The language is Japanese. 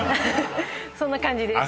そんな感じです。